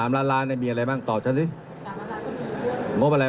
คำถามเธอไม่ค่อยได้สาระสักเรื่องอ่ะที่ผ่ามานะ